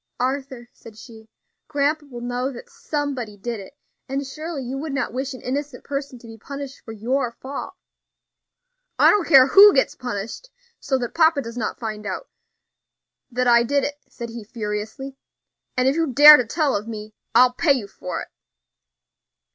"Arthur," said she, "grandpa will know that somebody did it, and surely you would not wish an innocent person to be punished for your fault." "I don't care who gets punished, so that papa does not find out that I did it," said he furiously; "and if you dare to tell of me, I'll pay you for it."